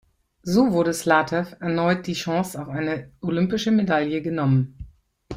So wurde Slatew erneut die Chance auf eine olympische Medaille genommen.